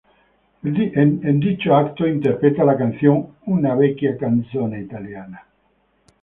En dicho evento interpreta la canción "Una vecchia canzone italiana".